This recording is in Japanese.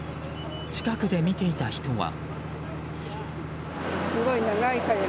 近くで見ていた人は。